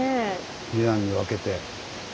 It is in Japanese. ２段に分けて。